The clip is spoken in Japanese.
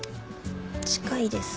近いです。